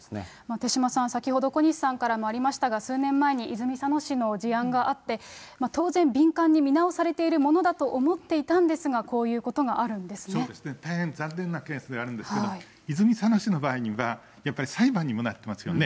手嶋さん、先ほど小西さんからもありましたが数年前に泉佐野市の事案があって、当然、敏感に見直されているものだと思っていたんですが、こういうことそうですね、大変残念なケースではあるんですけれども、泉佐野市の場合には、やっぱり裁判にもなってますよね。